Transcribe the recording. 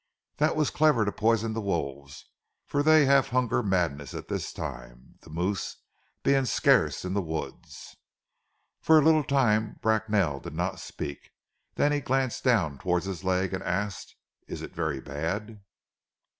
"Dat was clevaire to poison ze wolves, for dey hav' ze hunger madness at dis time, ze mooze being scarce in ze woods." For a little time Bracknell did not speak, then he glanced down towards his leg, and asked, "Is it very bad?"